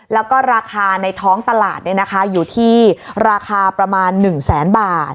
แล้วก็ราคาในท้องตลาดอยู่ที่ราคาประมาณ๑แสนบาท